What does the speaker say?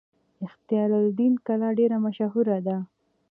اختیار الدین کلا ډیره مشهوره ده